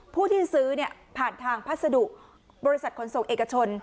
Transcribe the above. ผู้ที่ซื้อผ่านทางพัสดุบริษัทขนส่งเอกชน